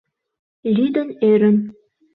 Лӱдын-ӧрын